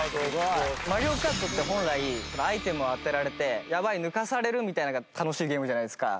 『マリオカート』って本来アイテムを当てられて「やばい抜かされる」みたいなのが楽しいゲームじゃないですか。